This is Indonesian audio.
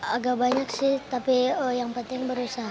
agak banyak sih tapi yang penting berusaha